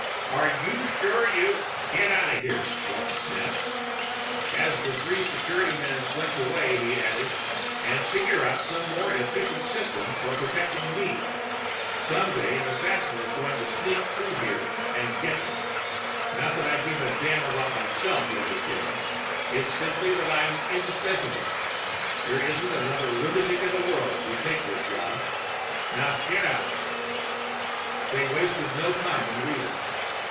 "Are you sure you " "Get out of here," Walton snapped. As the three security men slinked away, he added, "And figure out some more efficient system for protecting me. Some day an assassin is going to sneak through here and get me. Not that I give a damn about myself, you understand; it's simply that I'm indispensable. There isn't another lunatic in the world who'd take this job. Now get out!" They wasted no time in leaving.